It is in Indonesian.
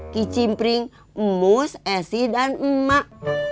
kicimpring mus eh sih dan emak